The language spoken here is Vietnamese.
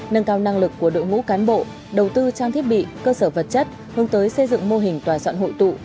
nâng cao năng lực của đội ngũ cán bộ đầu tư trang thiết bị cơ sở vật chất hướng tới xây dựng mô hình tòa soạn hội tụ